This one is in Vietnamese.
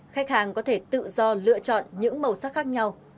khách hàng có thể tự do lựa chọn những màu sắc khác nhau